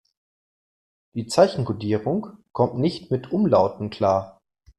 Die Zeichenkodierung kommt nicht mit Umlauten klar.